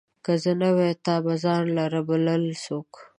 که زه نه وای، تا به ځان لره بلل څوک